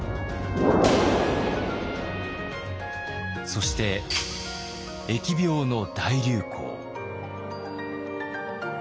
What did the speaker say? そして疫病の大流行。